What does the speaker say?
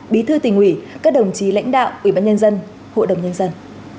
bí thư tỉnh ủy các đồng chí lãnh đạo ủy ban nhân dân hội đồng nhân dân